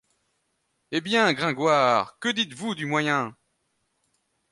Hé bien, Gringoire! que dites-vous du moyen?